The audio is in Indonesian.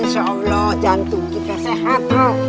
insya allah jantung kita sehat